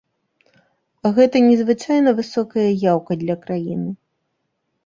Гэта незвычайна высокая яўка для краіны.